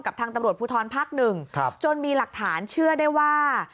กับทางตำรวจภูทรภักดิ์๑จนมีหลักฐานเชื่อได้ว่า